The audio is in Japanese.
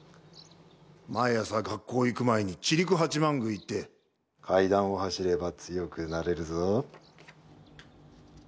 毎朝学校行く前に千栗八幡宮に行って、階段を走れば強くなれるぞ。